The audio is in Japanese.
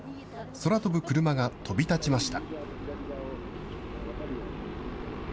空飛ぶクルマが飛び立ちました。